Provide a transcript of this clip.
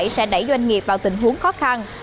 sẽ đẩy doanh nghiệp vào tình huống khó khăn